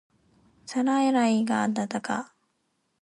皿洗いが対価